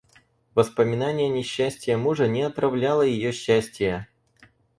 Воспоминание несчастия мужа не отравляло ее счастия.